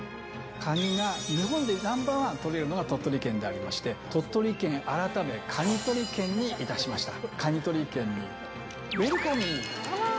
カニが日本でナンバー１、取れるのが鳥取県でありまして、鳥取県改め、蟹取県にいたしました。